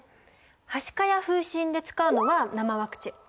はしかや風しんで使うのは生ワクチン。